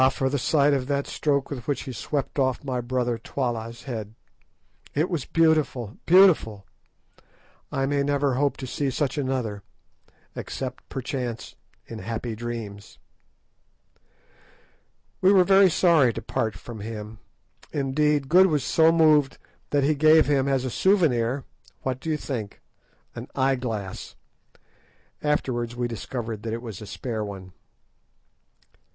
for the sight of that stroke with which he swept off my brother Twala's head! It was beautiful—beautiful! I may never hope to see such another, except perchance in happy dreams." We were very sorry to part from him; indeed, Good was so moved that he gave him as a souvenir—what do you think?—an eye glass; afterwards we discovered that it was a spare one.